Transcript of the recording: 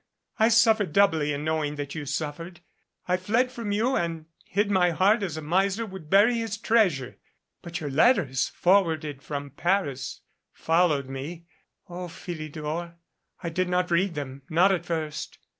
I suffered doubly in knowing that you suffered. I fled from you and hid my heart as a miser would bury his treasure. But your letters, forwarded from Paris, followed me. O Philidor! I did not read them not at first.